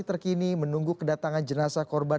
terima kasih banyak je almighty ar